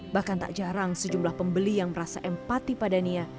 bahkan tak jarang sejumlah pembeli yang merasa empati pada nia